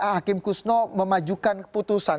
hakim kusno memajukan keputusan